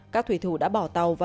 các thủy thủ đã bỏ tàu